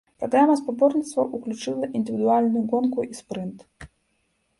Праграма спаборніцтваў ўключала індывідуальную гонку і спрынт.